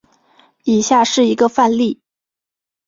以下是一个范例。